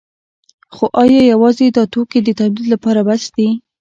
خو ایا یوازې دا توکي د تولید لپاره بس دي؟